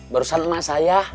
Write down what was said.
barusan emak saya